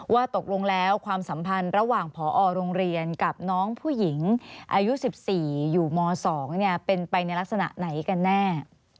ว่าตกลงแล้วความสัมพันธ์ระหว่างผอโรงเรียนกับน้องผู้หญิงอายุ๑๔อยู่ม๒เป็นไปในลักษณะไหนกันแน่